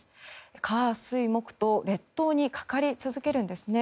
火、水、木と列島にかかり続けるんですね。